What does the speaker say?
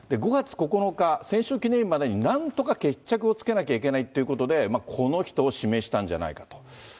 ５月９日、戦勝記念日までに、なんとか決着をつけなきゃいけないということで、この人を指名したんじゃないかと。